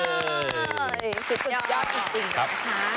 สุดยอดจริงครับ